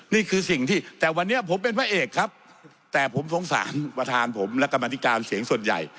นี่คือสิ่งที่แต่วันนี้ผมเป็นพระเอกครับแต่ผมสงสารประธานผมและกรรมธิการเสียงส่วนใหญ่